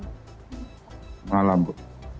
selamat malam bu